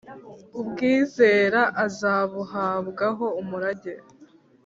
Ubwizera azabuhabwaho umurage,